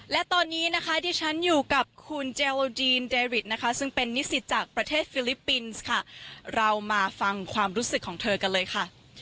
และตอนนี้นะคะที่ฉันอยู่กับคุณเจลจีนเดริดนะคะซึ่งเป็นนิสิตจากประเทศฟิลิปปินส์ค่ะเรามาฟังความรู้สึกของเธอกันเลยค่ะ